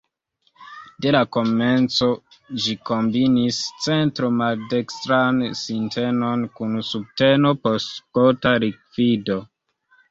De la komenco ĝi kombinis centro-maldekstran sintenon kun subteno por skota likvido.